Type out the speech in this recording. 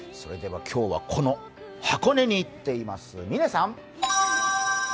今日はこの箱根に行っています、嶺さん。